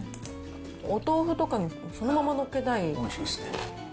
お豆腐とかにそのままのっけたい感じですね。